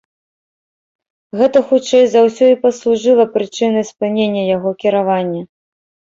Гэта хутчэй за ўсё і паслужыла прычынай спынення яго кіравання.